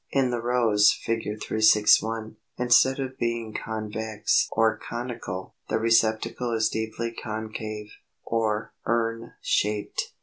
In the Rose (Fig. 361), instead of being convex or conical, the receptacle is deeply concave, or urn shaped.